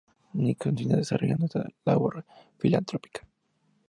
Nicks continúa desarrollando esta labor filantrópica.